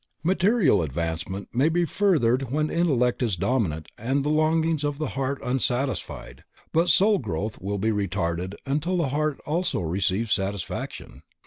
Material advancement may be furthered when intellect is dominant and the longings of the heart unsatisfied, but soul growth will be retarded until the heart also receives satisfaction.